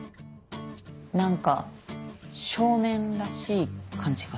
何か少年らしい感じがした。